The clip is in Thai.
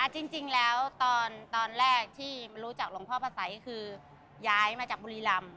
จริงแล้วตอนแรกที่รู้จักหลวงพ่อพระสัยคือย้ายมาจากบุรีรำ